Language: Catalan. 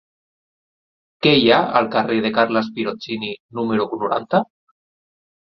Què hi ha al carrer de Carles Pirozzini número noranta?